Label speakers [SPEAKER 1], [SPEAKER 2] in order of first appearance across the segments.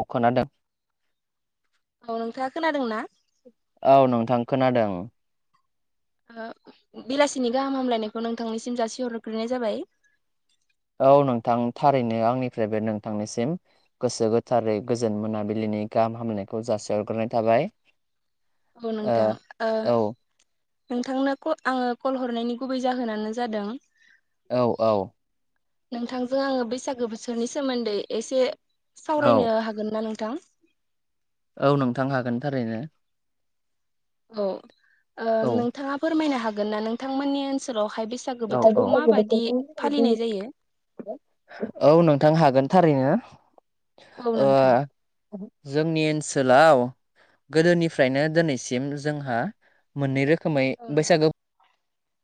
[SPEAKER 1] अ खोनादों
[SPEAKER 2] औ नोंथाङा खोनादों ना
[SPEAKER 1] औ नोंथां खोनादों
[SPEAKER 2] ओ बेलासिनि गाहाम हामलायनायखौ नोंथांनिसिम जासिहरग्रोनाय जाबाय
[SPEAKER 1] औ नोंथां थारैनो आंनिफ्रायबो नोंथांनिसिम गोसो गोथारै गोजोन मोनाबिलिनि गाहाम हामलनायखौ जासिहरग्रोनाय थाबाय
[SPEAKER 2] औ नोंथां ओ नोंथांनो आङो कल हरनायनि गुबै जाहोनानो जादों
[SPEAKER 1] औ औ
[SPEAKER 2] नोंथांजों आङो बैसागो बोथोरनि सोमोन्दै एसे
[SPEAKER 1] औ
[SPEAKER 2] सावरायनो हागोन ना नोंथां
[SPEAKER 1] औ नोंथां हागोन थारैनो
[SPEAKER 2] औ
[SPEAKER 1] औ
[SPEAKER 2] नोंथांङा फोरमायनो हागोन ना नोंथांमोननि ओनसोलावहाय बेसेबां बैसागो
[SPEAKER 1] औ औ
[SPEAKER 2] बोथोरखौ माबायदि फालिनाय जायो।
[SPEAKER 1] औ नोंथां हागोन थारैनो
[SPEAKER 2] औ नोंथां
[SPEAKER 1] जोंनि ओनसोलाव गोदोनिफ्रायनो दिनैसिम जोंहा मोननै रोखोमै
[SPEAKER 2] औ
[SPEAKER 1] बैसागो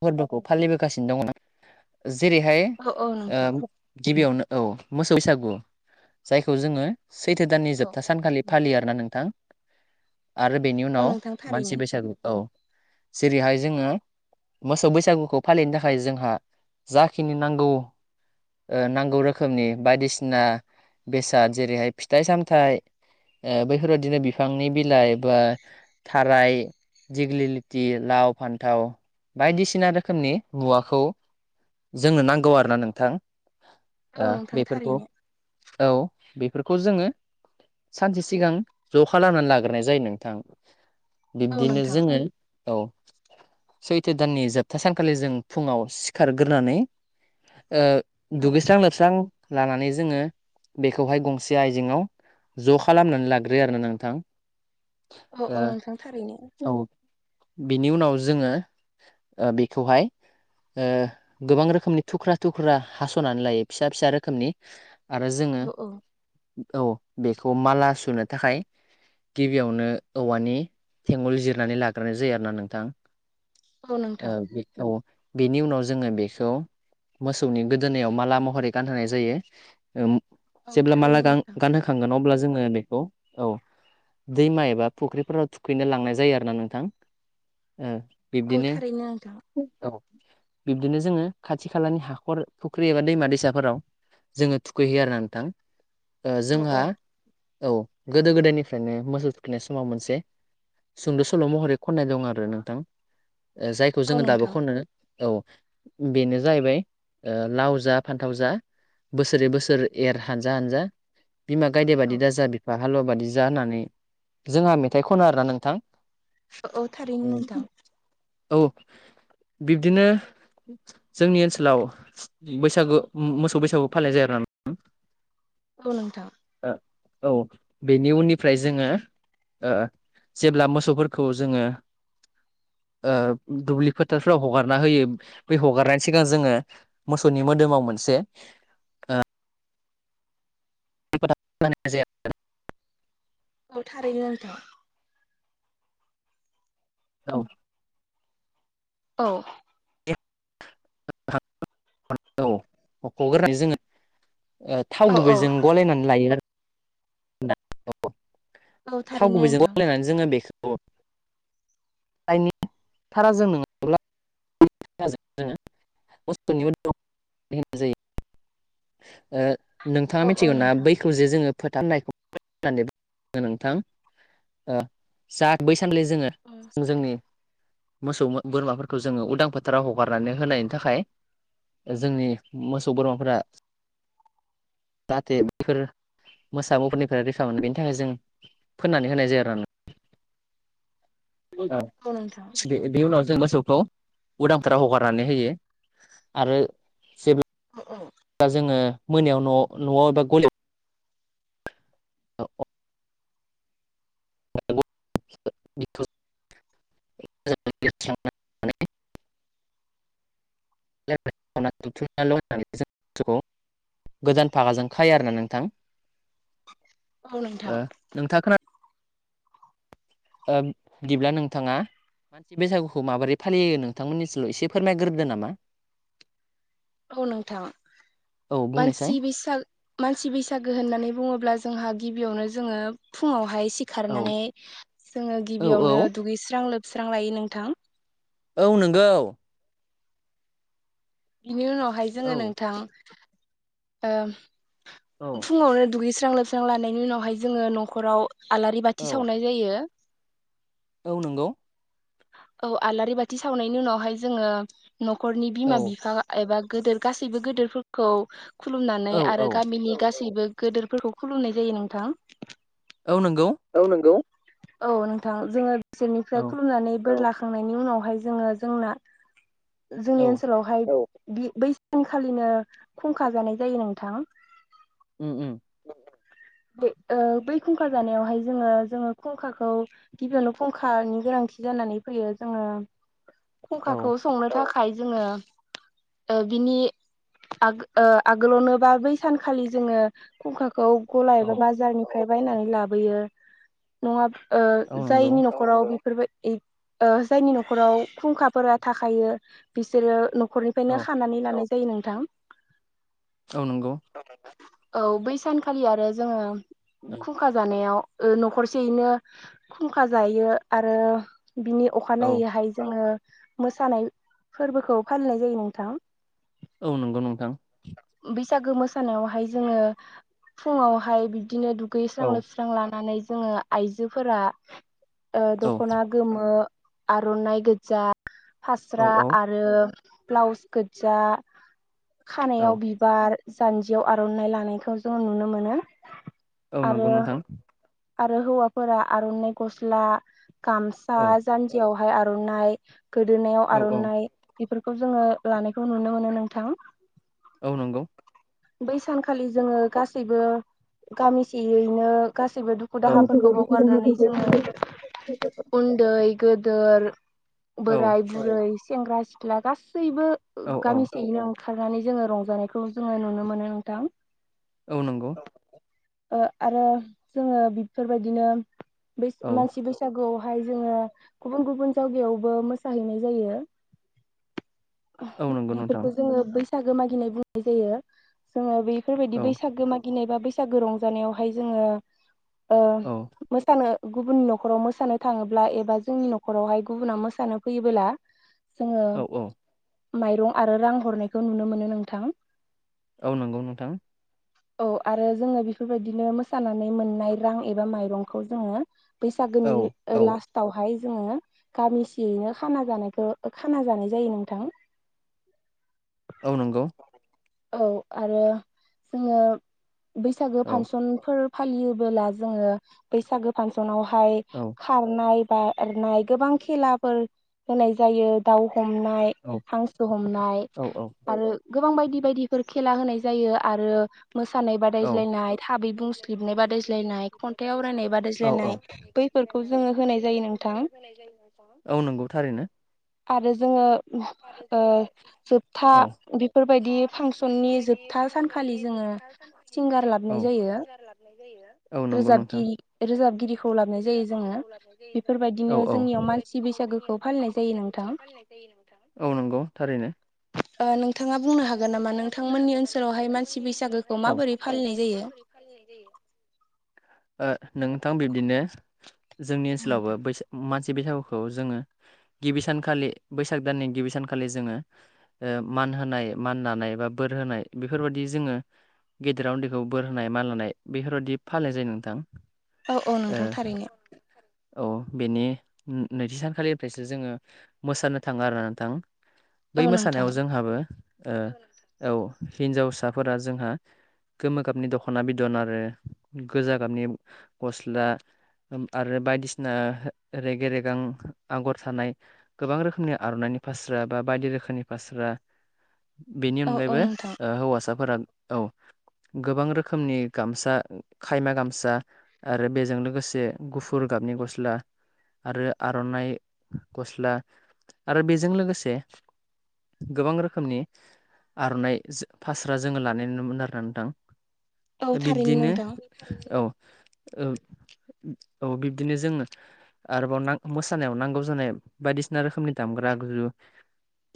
[SPEAKER 1] फोरबोखौ फालिबोगासिनो दंङो ना जेरैहाय
[SPEAKER 2] औ
[SPEAKER 1] ओ
[SPEAKER 2] नोंथां
[SPEAKER 1] गिबियावनो औ मोसौ बैसागु जायखौ जोंङो सैथो दाननि
[SPEAKER 2] औ
[SPEAKER 1] जोबथा सानखालि फालियो आरोना नोंथां आरो बेनि
[SPEAKER 2] औ
[SPEAKER 1] उनाव
[SPEAKER 2] नोंथां
[SPEAKER 1] मानसि
[SPEAKER 2] थारैनो
[SPEAKER 1] बैसागु औ जेरैहाय जोंङो मोसौ बैसागुखौ फालिनो थाखाय जोंहा जाखिनि नांगौ नांगौ रोखोमनि बायदिसिना बेसाद जेरैहाय फिथाइ सामथाइ बैफोरबायदिनो बिफांनि बिलाइ बा थाराय दिग्लिलिथि लाव फान्थाव बायदिसिना रोखोम रोखोमनि मुवाखौ जोंनो नांगौ आरोना नोंथां
[SPEAKER 2] औ नोंथां
[SPEAKER 1] बेफोरखौ
[SPEAKER 2] थारैनो
[SPEAKER 1] औ बेफोरखौ जोंङो सानसे सिगां ज' खालामनानै लाग्रोनाय जायो नोंथां
[SPEAKER 2] औ
[SPEAKER 1] बिब्दिनो
[SPEAKER 2] नोंथां
[SPEAKER 1] जोङो औ सैथो दाननि जाबथा सानखालि जों फुंङाव सिखारग्रोनानै
[SPEAKER 2] औ
[SPEAKER 1] दुगैस्रां लोबस्रां लानानै जोंङो बेखौहाय गंसे आयजेेंआव ज' खालामनानै लाग्रोयो आरोना नोंथां
[SPEAKER 2] औ औ नोंथां थारैनो
[SPEAKER 1] औ बिनि उनाव जोंङो बेखौहाय गोबां रोखोमनि थुख्रा थुख्रा हास'नानै लायो फिसा फिसा रोखोमनि आरो जोंङो
[SPEAKER 2] औ औ
[SPEAKER 1] औ बेखौ माला सुनो थाखाय गिबियावनो औवानि थेंगल जिरनानै लाग्रोनाय जायो आरो ना नोंथां
[SPEAKER 2] औ
[SPEAKER 1] आ
[SPEAKER 2] नोंथां
[SPEAKER 1] बेनि उनाव बेनि उनाव जोंङो बेखौ मोसौनि गोदोनायाव माला महरै गानहोनाय जायो।
[SPEAKER 2] औ
[SPEAKER 1] जेब्ला माला
[SPEAKER 2] थारैनो नोंथां
[SPEAKER 1] गानहोखांगोन अब्ला जोंङो बेखौ औ दैमा एबा फुख्रिफोराव थुखैनो लांनाय जायो आरो ना नोंथां बिब्दिनो
[SPEAKER 2] बिदिनो नोंथां
[SPEAKER 1] औ बिब्दिनो जोंङो खाथि खालानि हाखर फुख्रि एबा दैमा दैसाफोराव जोङो थुखैहयो आरो ना नोंथां
[SPEAKER 2] औ औ
[SPEAKER 1] जोंहा औ गोदो गोदायनिफ्रायनो मोसौ थुखैनाय समाव मोनसे सुंद' सल' महरै खननाय दं आरो नोंथां जायखौ
[SPEAKER 2] औ
[SPEAKER 1] जोंङो दाबो
[SPEAKER 2] नोंथां
[SPEAKER 1] खननो औ बेनो जाहैबाय लाव जा फान्थाव जा बोसोरै बोसोर एर हानजा हानजा बिमा गायदे
[SPEAKER 2] औ
[SPEAKER 1] बादि दा जा बिफा हालुवा बादि जा होननानै जोंहा मेथाइ खनो आरोना नोंथां
[SPEAKER 2] औ औ थारैनो नोंथां
[SPEAKER 1] औ बिब्दिनो जोंनि ओनसोलाव बैसागु मोसौ बैसागु फालिनाय जायो आरो नोंथां
[SPEAKER 2] औ नोंथां
[SPEAKER 1] औ बेनि उननिफ्राय जोंङो जेब्ला मोसौफोरखौ जोंङो दुब्लि फोथारफ्राव हगारना होयो बे हगारनायनि सिगां जोंङो मोसौनि मोदोमाव मोनसे [unintelligible] [unintelligible]
[SPEAKER 2] औ थारैनो
[SPEAKER 1] औ
[SPEAKER 2] औ
[SPEAKER 1] [unintelligible] [unintelligible] औ मख'ग्रोनाय जोंङो ओ थाव
[SPEAKER 2] औ
[SPEAKER 1] गुबै जजों गलायनानै लायो आरो।
[SPEAKER 2] औ
[SPEAKER 1] थाव
[SPEAKER 2] थारैनो
[SPEAKER 1] गुबैजों
[SPEAKER 2] नोंथां
[SPEAKER 1] गलायनानै जोङो बेखौ [unintelligible] [unintelligible] ओ नोंथाङा
[SPEAKER 2] औ औ
[SPEAKER 1] मिथिगौना
[SPEAKER 2] नोंथां
[SPEAKER 1] बैखौ जे जोङो फोथा होनना [unintelligible] नोंथां ओ जा बै सानलै जोङो
[SPEAKER 2] औ
[SPEAKER 1] जोंनि मोसौ बोरमाफोरखौ जोङो उदां फोथाराव हगारनानै होनायनि थाखाय जोंनि मोसौ बोरमाफोरा जाहाथे बैफोर मोसा मुफोरनिफ्राय रैखा मोनो बेनि थाखाय जों फोननानै होनाय जायो आरोना [unintelligible]
[SPEAKER 2] नोंथां
[SPEAKER 1] बे बे उनाव जों मोसौखौ उदां फोरोथाव हगारनानै होयो आरो
[SPEAKER 2] [unintelligible]
[SPEAKER 1] दा जोङो मोनायाव न' न'आव एबा गलियाव औ अ [unintelligible] [unintelligible] गोदान भागाजों खायो आरो ना नोंथां
[SPEAKER 2] औ नोंथां
[SPEAKER 1] ओ नोंथाङा खो ओ बिदिब्ला नोंथाङा मानसि बैसागुखौ माबोरै फालियो नोंथांमोननिथिं एसे फोरमायग्रोदो नामा।
[SPEAKER 2] औ नोंथां
[SPEAKER 1] औ बुंनायसाय
[SPEAKER 2] मानसि बैसा मानसि बैसागो होननानै बुङोब्ला जोंहा गिबियावनो जोङो फुङावहाय सि
[SPEAKER 1] औ
[SPEAKER 2] खारनानै जोङो
[SPEAKER 1] औ औ
[SPEAKER 2] गिबियावनो दुगैस्रां लोबस्रां लायो नोंथां।
[SPEAKER 1] औ नोंगौ
[SPEAKER 2] बिनि उनावहाय जोङो
[SPEAKER 1] औ
[SPEAKER 2] नोंथां ओ
[SPEAKER 1] औ
[SPEAKER 2] फुङावनो दुगैस्रां लोबस्रां लानायनि उनावहाय जोङो न'खराव आलारि
[SPEAKER 1] औ
[SPEAKER 2] बाथि सावनाय जायो।
[SPEAKER 1] औ नंगौ
[SPEAKER 2] औ आलारि बाथि सावनायनि उनावहाय जोङो न'खरनि बिमा
[SPEAKER 1] औ
[SPEAKER 2] बिफा एबा गदोर गासैबो गोदोरफोरखौ खुलुमनानै
[SPEAKER 1] औ
[SPEAKER 2] आरो
[SPEAKER 1] औ
[SPEAKER 2] गामिनि गासै गासैबो गोदोरफोरखौ खुलुमनाय जायो नोंथां।
[SPEAKER 1] औ नोंगौ।
[SPEAKER 2] औ नंगौ औ नोंथां जोङो बिसोरनिफ्राय
[SPEAKER 1] औ
[SPEAKER 2] खुलुमनानै बोर लाखांनायनि उनावहाय जोङो जोंना जोंनि
[SPEAKER 1] औ
[SPEAKER 2] ओनसोलावहाय बे बै सानखालिनो खुंखा जानाय जायो नोंथां।
[SPEAKER 1] उम उम
[SPEAKER 2] बै ओ बै खुंखा जानायावहाय जोङो जोङो खुंखाखौ गिबियावनो फुंखानि गोनांथि जानानै फैयो जोङो
[SPEAKER 1] औ
[SPEAKER 2] फुंखाखौ संनो थाखाय जोङो बिनि आगोलावनो बा बै सानखालि जोङो खुंखा खौ गला
[SPEAKER 1] औ
[SPEAKER 2] एबा बाजारनिफ्राय बायनानै लाबोयो। नङा
[SPEAKER 1] औ
[SPEAKER 2] ओ
[SPEAKER 1] नंगौ
[SPEAKER 2] जायनि न'खराव बेफोरबायदि इ ओ जायनि न'खराव खुंखाफोरा थाखायो बिसोरो
[SPEAKER 1] औ
[SPEAKER 2] न'खरनिफ्रायनो खानानै लानाय जायो नोंथां।
[SPEAKER 1] औ नंगौ।
[SPEAKER 2] औ बै सानखालि आरो जोङो
[SPEAKER 1] औ
[SPEAKER 2] खुंखा जानायाव न'खरसेयैनो खुंखा जायो आरो बिनि अखानायैहाय जोङो मोसानाय फोरबोखौ फालिनाय जायो नोंथां।
[SPEAKER 1] औ नंगौ नोंथां
[SPEAKER 2] बैसागो मोसानायावहाय जोङो फुुङाहाय बिबदिनो दुगैस्रां
[SPEAKER 1] औ
[SPEAKER 2] लोब स्रां लानानै जोङो आइजोफोरा ओ
[SPEAKER 1] औ
[SPEAKER 2] दखना गोमो आर'नाइ गोजा
[SPEAKER 1] औ
[SPEAKER 2] फास्रा
[SPEAKER 1] औ
[SPEAKER 2] आ आरो ब्लाउस गोजा
[SPEAKER 1] औ
[SPEAKER 2] खानायाव बि बार जान्जियाव आर'नाइ लानायखौ जोंङो नुनो मोनो
[SPEAKER 1] औ
[SPEAKER 2] आरो
[SPEAKER 1] नंगौ नोंथां
[SPEAKER 2] आरो हौवाफोरा आर'नाइ गस्ला गाम
[SPEAKER 1] औ
[SPEAKER 2] जानजियावहाय आर'नाइ गोदोनायाव
[SPEAKER 1] औ औ
[SPEAKER 2] आर'नाइ बेफोरखौ जोङो लानायखौ नुनो मोनो नोंथां
[SPEAKER 1] औ नंगौ
[SPEAKER 2] बै सानखालि जोङो गासैबो गामिसेयैनो गासैबो दु खु
[SPEAKER 1] औ
[SPEAKER 2] दाहाफोरखौ बावगारनानै जोङो उन्दै गोदोर
[SPEAKER 1] औ
[SPEAKER 2] बोराइ बुरै सेंग्रा सिख्ला गासैबो
[SPEAKER 1] औ औ
[SPEAKER 2] गामिसेयैनो ओंखारनानै जोङो रंजानायखौ जोङो नुनो मोनो नोंथां
[SPEAKER 1] औ नंगौ
[SPEAKER 2] ओ आरो जोङो बेफोरबायदिनो बै
[SPEAKER 1] औ
[SPEAKER 2] मानसि बै सागुआवहाय जोङो गुबुन गुबुन जायगायावबो मोसाहैनाय जायो।
[SPEAKER 1] [inaudible] नंगौ नोंथां
[SPEAKER 2] बेफोरखौ जोङो बैसागो मागिनायबो बुंनाय जायो। जोङो बेफोरबायदि
[SPEAKER 1] औ
[SPEAKER 2] बैसागो मागिनाय बा बैसागो रंजानायावहाय जोङो ओ
[SPEAKER 1] औ
[SPEAKER 2] मोसानो गुबुननि नखराव मोसानो थाङोब्ला एबा जोंनि नखरावहाय गुबुना मोसानो फैयोबोला जोङो
[SPEAKER 1] औ औ
[SPEAKER 2] माइरं आरो रां हरनायखौ नुनो मोनो नोंथां
[SPEAKER 1] औ नंगौ नोंथां
[SPEAKER 2] औ आरो जोङो बेफोरबायदिनो मोसानानै मोननाय रां एबा माइरंखौ जोङो
[SPEAKER 1] औ
[SPEAKER 2] बैसागोनि
[SPEAKER 1] औ
[SPEAKER 2] लास टावहाय जोङो गामिसेयैनो खाना जानायखो खाना जानाय जायो नोंथां
[SPEAKER 1] औ नंगौ
[SPEAKER 2] औ आरो जोङो बैसागो
[SPEAKER 1] औ
[SPEAKER 2] फासनफोर फालियोबोला जोङो बैसागो फानसनावहाय
[SPEAKER 1] औ
[SPEAKER 2] खारनाय बारनाय गोबां खेलाफोर होनाय जायो दाव हमनाय
[SPEAKER 1] औ
[SPEAKER 2] हांसो हमनाय
[SPEAKER 1] औ
[SPEAKER 2] आरो गोबां बायदि बायदिफोर खेला होनाय जायो आरो मोसानाय
[SPEAKER 1] औ
[SPEAKER 2] बादायज्लायनाय थाबै बुंसलिबनाय बादायज्लायनाय खन्थाइ आवरायनाय
[SPEAKER 1] औ
[SPEAKER 2] बादायज्लायनाय
[SPEAKER 1] औ
[SPEAKER 2] बै
[SPEAKER 1] औ नंगौ थारैनो
[SPEAKER 2] आरो जोङो ओ जोबथा
[SPEAKER 1] औ
[SPEAKER 2] बेफोरबायदि फांसननि जोबथा सानखालि जोङो सिंगार
[SPEAKER 1] औ
[SPEAKER 2] लाबोनाय जायो
[SPEAKER 1] औ नंगौ नोंथां
[SPEAKER 2] रोजाबगिरि लाबोनाय जायो जोङो
[SPEAKER 1] रोजाबगिरिखौ ओ
[SPEAKER 2] बेफोरबायदिनो
[SPEAKER 1] औ
[SPEAKER 2] जोंनियाव मानसि
[SPEAKER 1] बेफोरबायदिनो जोंनियाव
[SPEAKER 2] बैसागोखौ फालिनाय
[SPEAKER 1] मानसि
[SPEAKER 2] जायो नोंथां
[SPEAKER 1] बैसागोखौ फालिनाय जायो नोंथां औ नंगौ थारैनो
[SPEAKER 2] ओ नोंथाङा बुंनो हागोन नामा नोंथांमोननि ओनसोलावहाय मानसि बैसागोखौ माबोरै फालिनाय जायो
[SPEAKER 1] फालिनाय जायो ओ नोंथां बिब्दिनो जोंनि ओनसोलावबो बै मानसि बैसागुखौ जोङो गिबि सानखालि बैसाग दाननि गिबि सानखालि जोङो ओ मान होनाय मान लानाय बा बोर होनाय बेफोरबायदि जोङो गेदेराव उन्दैखौ बोर होनाय माल होनानाय बेफोरबायदि फालिनाय जायो नोंथां
[SPEAKER 2] औ औ
[SPEAKER 1] ओ
[SPEAKER 2] नोंथां थारैनो
[SPEAKER 1] औ बेनि नैथि सान खालिनिफ्रायसो जोङो मोसानो थाङो आरोना नोंथां बै
[SPEAKER 2] औ नोंथां
[SPEAKER 1] मोसानायाव जोंहाबो ओ औ हिन्जावसाफोरा जोंहा गोमो गाबनि दख'ना बिदन आरो गोजा गाबनि गस्ला आरो बायदिसिना रेगे रेगां आगर थानाय गोबां रोखोमनि आर'नाइनि फास्रा बा बायदि रोखोमनि फास्रा बेनि
[SPEAKER 2] औ औ नोंथां
[SPEAKER 1] अनगायैबो हौवासाफोरा औ गोबां रोखोमनि गामसा खायमा गामसा आरो बेजों लोगोसे गुफुर गाबनि गस्ला आरो आर'नाइ गस्ला आरो बेजों लोगोसे गोबां रोखोमनि आर'नाइ फास्रा जोङो लानाय नुनो मोनो आरोना
[SPEAKER 2] औ
[SPEAKER 1] नोंथां
[SPEAKER 2] थारैनो
[SPEAKER 1] बिब्दिनो
[SPEAKER 2] नोंथां
[SPEAKER 1] औ औ बिब्दिनो जोङो आरोबाव मोसानायाव नांगौ जानाय बायदिसिना रोखोमनि दामग्रा आगजु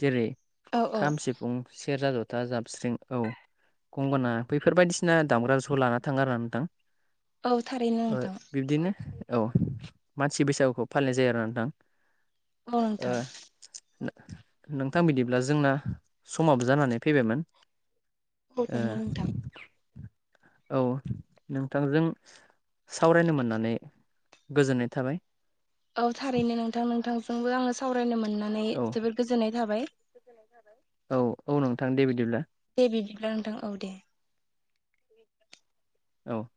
[SPEAKER 1] जेरै
[SPEAKER 2] औ औ
[SPEAKER 1] खाम सिफुं सेरजा जथा जाबस्रिं औ गंगना बैफोर बायदिसिना दामग्रा आगजुखौ लाना थाङो आरो ना नोंथां
[SPEAKER 2] औ थारैनो
[SPEAKER 1] ओ
[SPEAKER 2] नोंथां
[SPEAKER 1] बिब्दिनो औ मानसि बैसागुखौ फालिनाय जायो आरो नोंथां
[SPEAKER 2] औ
[SPEAKER 1] ओ
[SPEAKER 2] नोंथां
[SPEAKER 1] नोंथां बिदिब्ला जोंना समाबो जानानै फैबायमोन
[SPEAKER 2] औ नंगौ नोंथां
[SPEAKER 1] ओ औ नोंथांजों सावरायनो मोननानै गोजोननाय थाबाय
[SPEAKER 2] औ थारैनो नोंथां नोंथांजोंबो आङो सावरायनो मोननानै
[SPEAKER 1] औ
[SPEAKER 2] जोबोद गोजोननाय थाबाय
[SPEAKER 1] [unintelligible] औ औ नोंथां दे बिदिब्ला
[SPEAKER 2] दे बिदिब्ला नोंथां औ दे
[SPEAKER 1] औ